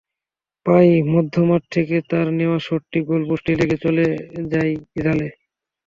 প্রায় মধ্যমাঠ থেকে তাঁর নেওয়া শটটি গোলপোস্টে লেগে চলে যায় জালে।